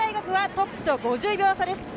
トップと５０秒差です。